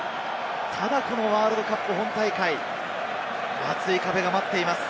ただこのワールドカップ本大会、厚い壁が待っています。